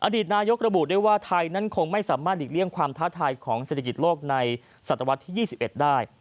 ตนายกระบุได้ว่าไทยนั้นคงไม่สามารถหลีกเลี่ยงความท้าทายของเศรษฐกิจโลกในศตวรรษที่๒๑ได้